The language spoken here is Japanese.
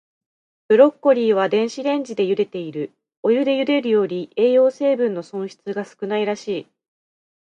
ブロッコリーは、電子レンジでゆでている。お湯でゆでるより、栄養成分の損失が少ないらしい。